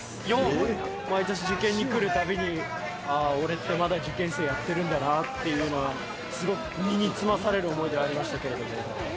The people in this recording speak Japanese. ４？毎年受験に来るたびに、あー、俺ってまだ受験生やってるんだなというのは、すごく身につまされる思いでありましたけども。